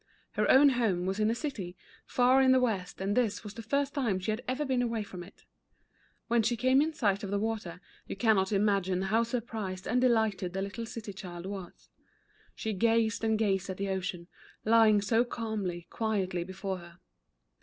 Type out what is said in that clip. Her own home was in a city, far in the west and this Avas the first time she had ever been away from it. When she came in sight of the water, you cannot imagine how surprised and delighted the little city child was. She gazed and gazed at the ocean, lying so calmly, quietly before her.